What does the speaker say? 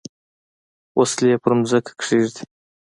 وسلې پر مځکه کښېږدي.